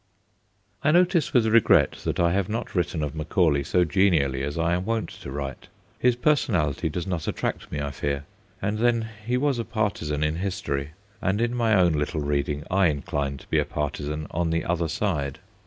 I notice with regret that I have not written of Macaulay so genially as I am wont to write. His personality does not attract me, I fear ; and then he was a par tisan in history, and in my own little read ing I incline to be a partisan on the other side.